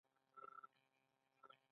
بسم الله ویل د ډوډۍ په پیل کې سنت دي.